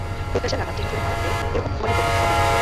প্রত্যাশার লাগাম টেনে ধরে না রাখলে, এরকম ফলই ভোগ করতে হবে।